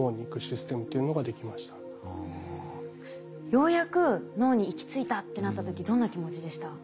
ようやく脳に行き着いたってなった時どんな気持ちでした？